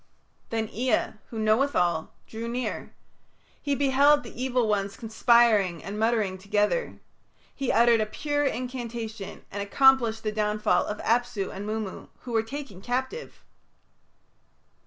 Then Ea, who knoweth all, drew near; he beheld the evil ones conspiring and muttering together. He uttered a pure incantation and accomplished the downfall of Apsu and Mummu, who were taken captive.